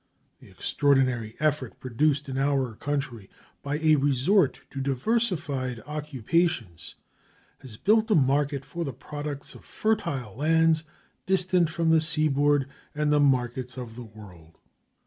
The extraordinary effect produced in our country by a resort to diversified occupations has built a market for the products of fertile lands distant from the seaboard and the markets of the world.